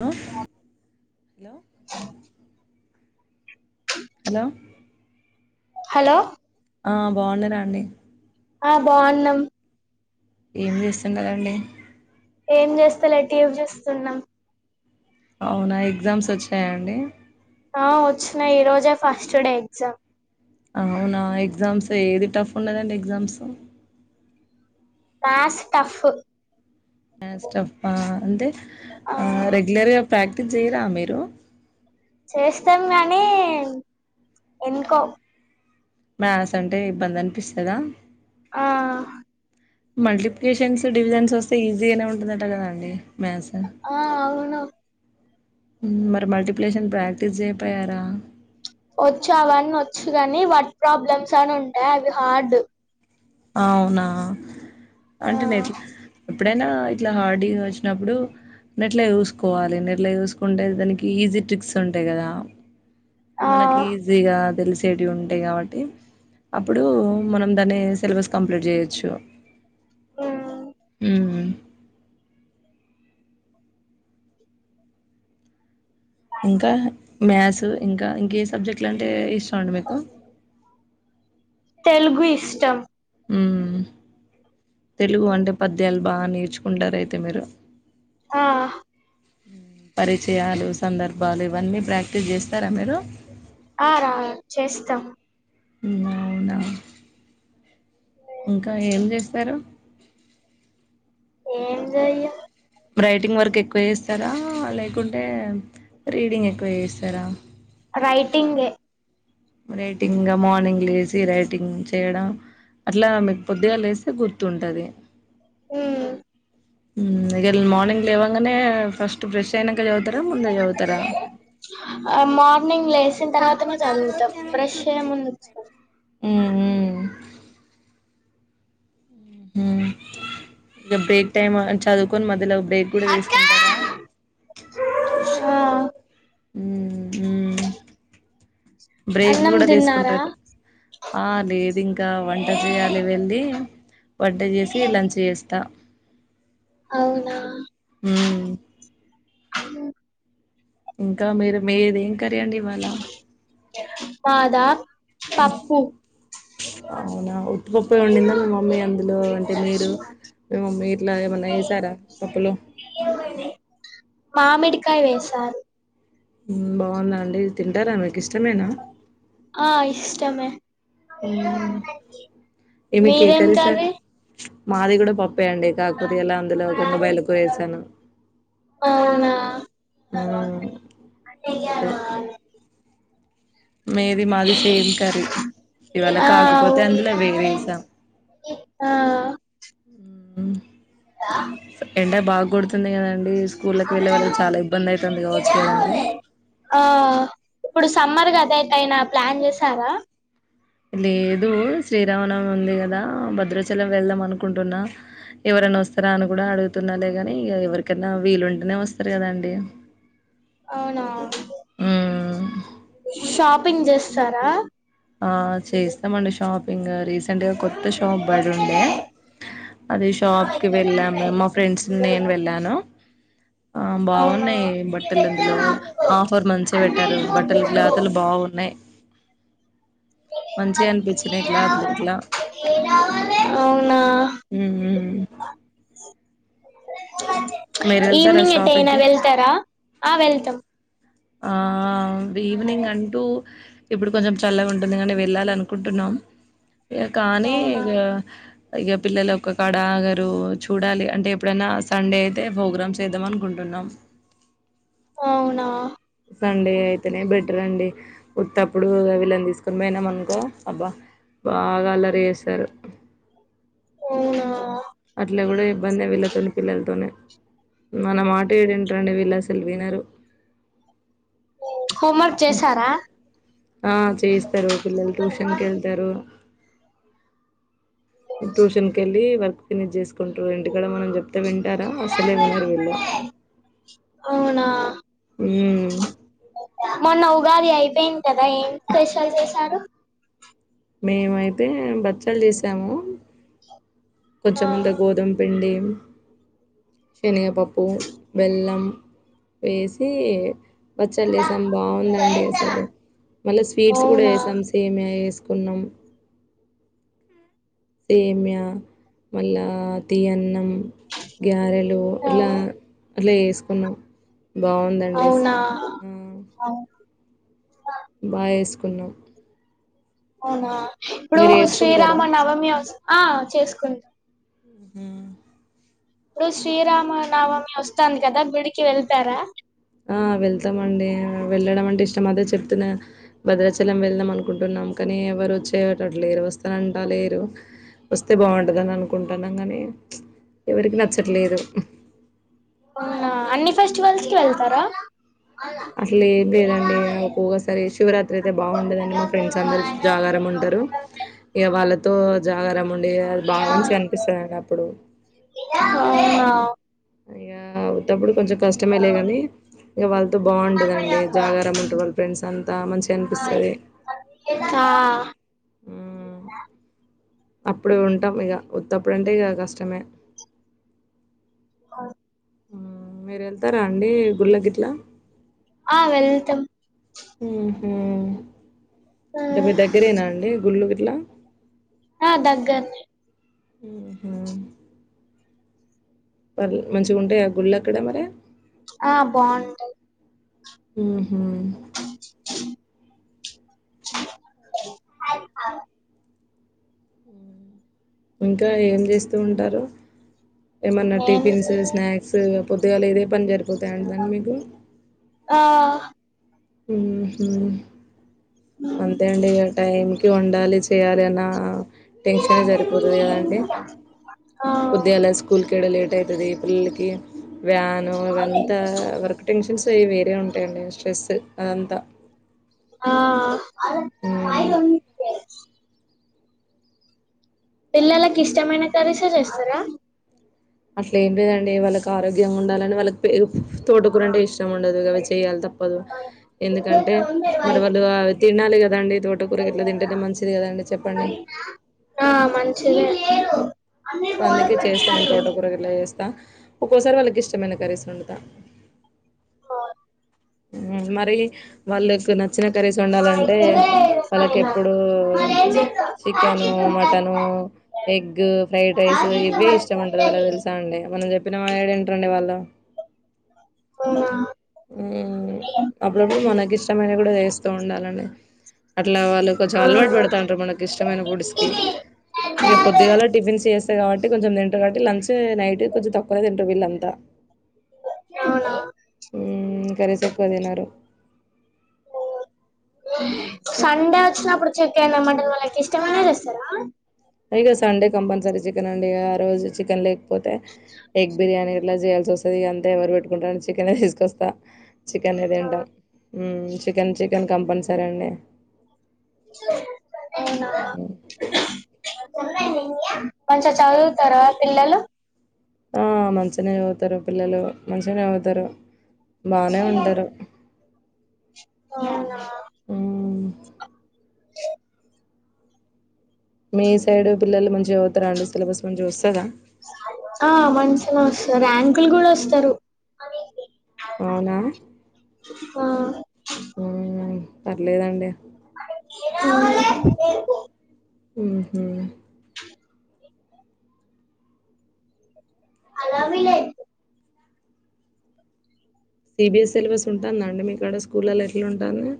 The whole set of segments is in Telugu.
హలో హలో హలో హలో ఆ బాగుండరాండి ఆ బాగున్నాం ఏం చేస్తున్నారండి ఏం చేస్తలే టీవి చూస్తున్నాం అవునా ఎగ్జామ్స్ వచ్చాయండి ఆ వచ్చినయి ఈ రోజే ఫస్ట్ డే ఎగ్జామ్ అవునా ఎగ్జామ్స్ ఏది టఫ్ ఉండదండి exams maths tough maths tough హా అంటే ఆ రెగ్యులర్గా ప్రాక్టీస్ చేయరా మీరు చేస్తాం గానీ ఎందుకో మ్యాథ్స్ అంటే ఇబ్బంది అనిపిస్తదా ఆహ్ మల్టిప్లికేషన్స్ డివిజన్స్ వస్తే ఈజీగానే ఉంటదట కదా అండి ఆ అవునవ్ మరి మల్టిప్లేషన్ ప్రాక్టీస్ చేయపోయారా వచ్చు అవన్నీ వచ్చు కానీ వట్ ప్రాబ్లమ్స్ అని ఉంటాయి అవి హార్డ్ అవునా ఆ అంటే నెట్ ఎప్పుడైనా ఇట్లా హార్డివి వచ్చినప్పుడు నెట్లో చూసుకోవాలి నెట్ల చూసుకుంటే దానికి ఈజీ ట్రిక్స్ ఉంటాయి కదా ఆ మనకి ఈజీగా తెలిసి ఉంటాయి కాబట్టి అప్పుడు మనం దాని సిలబస్ కంప్లీట్ చేయొచ్చు ఆ మ్మ్ ఇంకా మ్యాథ్స్ ఇంకా ఇంకే సబ్జెక్ట్ అంటే ఇష్టం అండి మీకు తెలుగు ఇష్టం ఎమ్ తెలుగు అంటే పద్యాలు బాగా నేర్చుకుంటార అయితే మీరు ఆ పరిచయాలు సందర్భాలు ఇవన్నీ ప్రాక్టీస్ చేస్తారా మీరు ఆ రా చేస్తాం అవునా ఇంకా ఏం చేస్తారు ఏం జయం రైటింగ్ వర్క్ ఎక్కువ చేస్తారా లేకుంటే రీడింగ్ ఎక్కువ చేస్తారా రేటింగ్ రైటింగ్ గా మార్నింగ్ లేసి రైటింగ్ చేయడం అట్లా మీకు పొద్దిగాలా లేస్తే గుర్తుంటది ఆ ఇ మార్నింగ్ లేవంగానే ఫస్ట్ బ్రెష్ అయినక తర ముందే చదువుతారా మ్ వచ్చిన తర్వాతనే చదువుతాం బ్రష్ చేయ ముందుకు అ హమ్ ఇక బ్రేక్ టైమ్ చదువుకొని మధ్యలో బ్రేక్ కూడా తీసుకుంటారా ఆ బ్రేక్ అన్నం కూడా తిన్నారా తీసుకుంటారు ఆ లేదు ఇంకా వంట చేయాలి వెళ్ళి వంట చేసి లంచ్ చేస్తా అవునా మ్మ్ ఇంకా మీరు మీది కర్రీ అండి ఇవాళ మాదా పప్పు అవునా ఉప్పుప్పు ఉండిందా మీ మమ్మీ అందులో అంటే మీరు మీ మమ్మీ ఇట్లా ఏమన్నా వేసారా పప్పులో మామిడికాయ వేసారూ బాగుందా అండి తింటారా మీకు ఇష్టమేనా ఆ ఇష్టమే మ్మ్ మీదేం కర్రీ మాదిగుడ పప్పు ప్పేయండి కాకపోతే ఇలా అందులో గంగవాయలి కూర వేసాను అవునా హా అంతే మీది మాది సేమ్ కర్రీ ఇవాళ ఆ కాకపోతే అందులో వేరీ అవును ఏసాం. హ్ ఆ ఎండా బాగా కొడుత్ తున్నాయి. కదండి స్కూల్ళకి వెళ్ళే వాళ్ళకి చాలా ఇబ్బంది అయితంది. గావచ్చు కదండి. ఆ ఇప్పుడు సమ్మర్ గాదా ఎటైనా ప్లాన్ జేసారా లేదు. శ్రీరామనవమి ఉంది. గాదా భద్రాచలం వెళ్దాం అనుకుంటున్నా ఎవరన్న వస్తారా అని కూడా అడుగుతున్నా లేగాని ఇగా ఎవరికైనా వీలుంటేనే వస్తారు కదా అండి. అవునా హ్ షాపింగ్ జెస్తారా. ఆ చేస్తామండి షాప్ పింగ్ రిస్ అంటే కొత్త షాప్ బడి ఉండే అది షాప్ కి వెళ్ళాము. మా ఫ్రెండ్స్ నేను వెళ్ళాను. ఆ అవునా బాగున్నాయి బట్టలు అందులో ఆఫర్ మంచిగా పెట్టారు. బట్టల క్లాతులు బాగున్నాయి. మంచిగా అనిపిచ్చినాయి. క్లాతులు గిట్ల అవునా ఉ ఉ ఈవనింగ్ ఎట్ షాపింగ్ అయినా కి వెళ్తారా ఆ వెళ్తాం ఆ ఆ ఈవ్నింగ్ అంటూ ఇప్పుడు కొంచెం చల్లగా ఉంటుంది. గానీ వెళ్ళాలి అనుకుంటున్నాం. ఇగా కానీ అవునా ఇగా ఇగా పిల్లలు ఒక్క కాడా ఆగారు. చూడాలి అంటే ఎప్పుడైనా సండే అయితే ప్రోగ్రామ్స్ చేద్దాం అనుకుంటున్నాం. అవునా సండే అయితేనే బెటర్ అండి. ఉత్తప్పుడు వీళ్ళని తీసుకొని పోయినాము అనుకో అబ్బా బాగా అల్లరి చేస్తారు. అవునా అట్లే కూడా ఇబ్బంది. వీళ్ళతోనీ పిల్లలతోనే మన మాట ఏడింటారండి. విళ్ళు ఆసల్ వినరు హోంవర్క్ చేసారా ఆ చేయిస్తారు పిల్లలు ట్యూషన్కి ఏళ్తారు. ట్యూషన్ కి వెళ్ళి వర్క్ ఫినిష్ జేస్ కుంటూ ఇంటికడ మనం చెపితే వింటారా అసలే వినరు విళ్లు అవునా ఊ మొన్నా ఉగాది అయిపోయింది. గాదా ఏం స్పెషల్ చేశారు. మేమైతే బచ్చాలు చేసాము. కొంచెంముండే గోధుమపిండి హ్మ్మ్ శనగపప్పు బెల్లం ఏసి బాచ్చలు చేసాం బాగుందండి అసలు మళ్ళా స్వీట్స్ కూడా అవునా చేసాం సేమియా వేసి కున్నాం సేమ్య మళ్ళా తీయ అన్నం గ్యారెలు ఇలా అట్లా చేసుకున్నాం బాగుందండి అవునా హ్మ్మ్ బాగాసుకున్నాం అవునా ఇప్పుడు శ్రీరామ చేసుకుంటారా నవమి అస్ ఆ చేసుకుంటాం హ్మ్మ్ ఇప్పుడు శ్రీరామనవమి వస్తాంది కదా గుడికి వెళ్తారా ఆ వెళ్తామండి వెళ్ళడం అంటే ఇష్టం అదే చెప్తునే భద్రాచలం వెళ్ళదాం అనుకుంటున్నాం కానీ ఎవరు వచ్చేటట్టు లేరు వస్తానంటా లేరు వస్తే బాగుంటదని అనుకుంటున్నాం కాని ఎవరికి నచ్చట్లేదు. అవునా అన్ని ఫెస్టివల్స్ కి ఎళ్తారా అసలు ఏం లేదండి ఒక్కొక్కసారి శివరాత్రి అయితే బాగుండదండి మా ఫ్రెండ్స్ అందరు జాగారం ఉంటారు ఇగ వాళ్ళ తో జాగారం ఉండి అది బాగా ఆ మంచిగా అనిపిస్తదండి అప్పుడు ఆ అయ్యా ఉతప్పుడు కొంచెం కష్టమే లే కానీ ఇగ వాళ్ళతో బాగుంటుందండి జాగారం ఉంటురు వాళ్ళ ఫ్రెండ్స్ అంతా మంచిగా అనిపిస్తది ఆ హ్మ్మ్. అప్పుడే ఉంటాం ఇగ ఉత్తప్పుడంటే ఇగ కష్టమే హ్మ్మ్ మీరు వెళ్తారా అండి గుళ్ళగిట్లా ఆ వెళ్తమ్ హ్మ్మ్ అంటే మీ దగ్గరేనా అండి గుళ్ళు గిట్ల ఆ దగ్గర్నే హ్మ్మ్ వాళ్ మంచిగాగుంటాయ గుళ్ళు అక్కడ మరి ఆ బాగుంటయి హ్మ్మ్ హ్మ్మ్ అ ఇంకా ఏం చేస్తూ ఉంటారు ఏమన్నా నేను టిఫిన్స్ స్నాక్స్ పొద్దుగాల ఇదే పని జరి పోతా ఉంటదండి మీకు ఆ హ్మ్ ఉ అంతే అండి. ఇగా టైమ్ వండాలి చేయాలి అన్నా టెన్షన్ సరిపోతుంది కదండి. పొద్దుగాల స్కూల్ కి ఇక్కడ లేట్ అయితాది. పిల్లలకి అని వ్యాను ఇవంతా వర్కు టెన్షన్స్ అవి వేరే ఉంటాయండి. స్ట్రెస్ అదా అంత ఆ ఆహా [unintelligible] పిల్లలకి ఇష్టమైన కర్రీసే చేస్తారా అట్లా ఏం లేదండి. వాళ్ళకి ఆరోగ్యంగా ఉండాలని వాళ్ళకి పేర్ తోటకూర అంటే ఇష్టం ఉండదు. అవి చేయ్యాలి తప్పదు. ఎందుకంటే మరి వాళ్ళు అవి తినాలి కదండి. తోటకూర గిట్లా తింటేనే మంచిదే కదండి. చెప్పండి. ఏరు అందుకే చేస్తాను. తోట కూర గిట్లా చేసి ఒక్కోసారి వాళ్ళకి ఇష్టమైన కర్రీస్ వండుతా కాదు మరి వాళ్ళు వస్తున్నారు నచ్చిన కర్రీస్ ఆ వండాలంటే ఇక్కడే వాళ్ళకి పైన ఎప్పుడూ మరి ఏం చేద్దాం ప్యాక్ చికెను, చేద్దాం pack mutton pack egg, fried rice pack చేద్దాం ఇవే అది ఇష్టం ఉంటుంది. వాళ్ళకు చెప్తది తెలుసా అండి మనం చెప్పిన మాట ఏడా ఇంటరండీ వాళ్ళు పోనా అప్పులప్పుడు మనకిృష్ట మైనవీ కు దా చేస్తూ ఉండాలండి అట్లా వాళ్ళు కొంచెం అలవాటు ఆ పడుతాంటారు మనకి ఇష్టమైన పుడిస్కి ఇది పెద్ద ఇక పొద్దిగాలా టిఫిన్స్స్త చెస్ కావట్టి కొంచెం తింట కావట్టి లంచ్ త్ నైట్ కొంచెం తకువనే తింటం విల్అంత త్త అవునా హ్మ్ కర్రీస్ ఎక్కువ తినరు సండే వచ్చినప్పుడు చికెన్ మటన్ వాళ్ళకి ఇష్టమైనవే చేస్తారా ఇక సండే కంపెన్సరీ చికెన్ వండి ఆ రోజు చికెన్ లెగ్ పోతే ఎగ్ బిర్యానీ ఎట్లా జె వస్తది ఇగ అంత ఎవరు పెట్టుకుంటారని చికెన్ తీసుకొస్తా చికెనే తింటాం చికెన్ చికెన్ కంపల్సరీ అండి అవునా హ్మ్. మంచిగా చదువుతారా పిల్లలు ఆ మంచినే చదువుతారు పిల్లలు మంచిగానే అవుతారు బానే ఉంటరు అవునా హ్మ్. అ మీ సైడ్ పిల్లలు మంచి జౌతర అండి స్ పిల్లలు స్ మంచిగా వస్తాదా ఆ మంచిగా వస్తారు ర్యాంకులు కూడా వస్తారు అవునా ఆ ఉ పర్లేదండి అ ఏ ఉహు అలా విల్లైతే సిబిఎస్ సిలబస్ ఉంటుందండి మీకు అడ స్కూల్లో ఎట్లా ఉంటాంది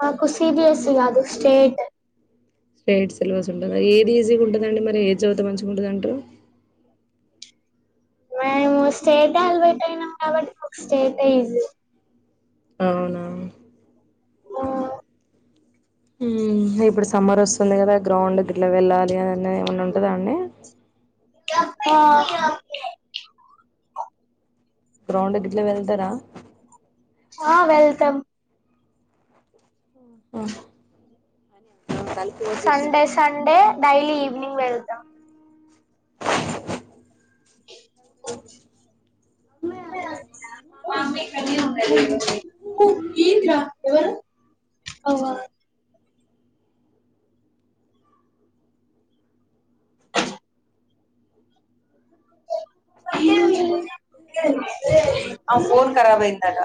మాకు సిబిఎస్స కార్దు స్టేట్ స్ట్రేట్ సిలబస్ ఉంటుంది ఏది ఈజీగా ఉంటుందండి మరి ఏది చదువుతా మంచిగా ఉంటుంది అంటారు మేము స్టేట్ అలబెట్ అయినాం కాబట్టి మాకు స్టేట్ ఈజీ అవునా ఆ హ్మ్. ఇప్పుడు సమ్మర్ వస్తుంది కదా గ్రౌండ్ గిలా వెళ్ళాలి అన్నది ఏమన్నా ఉంటందా అండి ఆ గ్రౌండ్ కిట్లా వెళ్తారా ఆ వెల్కమ్ ఆహా సండే సండే డైలీ ఈవినింగ్ వెళ్తాం కనీ ఫట అవా అ అ ఫోన కరాబ్ అయిందట